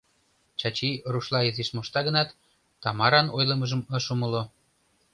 Чачи рушла изиш мошта гынат, Тамаран ойлымыжым ыш умыло.